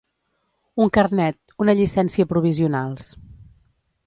Un carnet, una llicència provisionals.